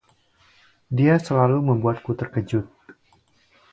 Dia selalu membuatku terkejut.